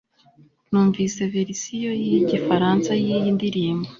numvise verisiyo y igifaransa yiyi ndirimbo